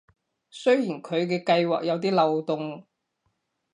雖然佢嘅計畫有啲漏洞